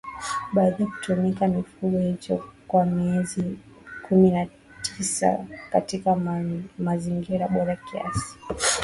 baada ya kutumikia kifungo hicho kwa miezi kumi na tisa katika mazingira bora kiasi